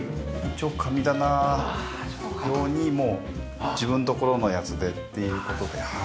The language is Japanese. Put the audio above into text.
一応神棚用にも自分のところのやつでという事で。